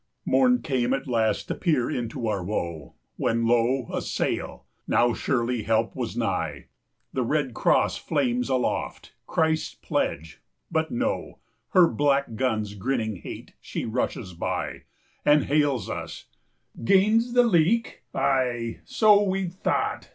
Morn came at last to peer into our woe, When lo, a sail! Now surely help was nigh; The red cross flames aloft, Christ's pledge; but no, 15 Her black guns grinning hate, she rushes by And hails us: "Gains the leak! Ay, so we thought!